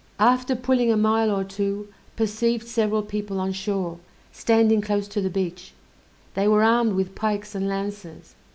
After pulling a mile or two perceived several people on shore, standing close to the beach; they were armed with pikes and lances.